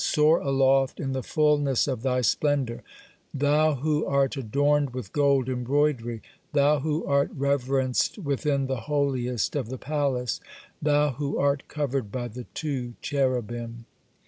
Soar aloft in the fulness of thy splendor, Thou who art adorned with gold embroidery, Thou who art reverenced within the Holiest of the palace, Thou who art covered by the two Cherubim!